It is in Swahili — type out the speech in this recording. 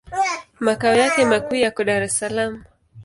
Makao yake makuu yako Dar es Salaam.